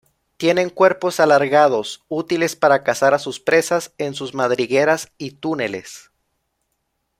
Tienen cuerpos alargados, útiles para cazar a sus presas en sus madrigueras y túneles.